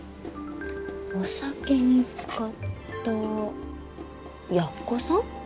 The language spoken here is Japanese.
お酒に漬かった奴さん？